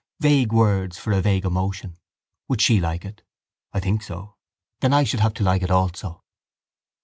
Vague words for a vague emotion. Would she like it? I think so. Then I should have to like it also.